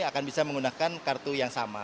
akan bisa menggunakan kartu yang sama